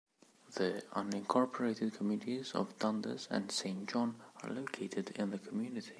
The unincorporated communities of Dundas and Saint John are located in the community.